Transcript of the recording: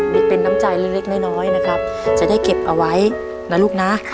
นี่เป็นน้ำใจเล็กน้อยนะครับจะได้เก็บเอาไว้นะลูกนะ